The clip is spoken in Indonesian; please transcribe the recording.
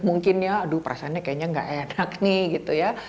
mungkin ya aduh perasaannya kayaknya nggak enak nih gitu ya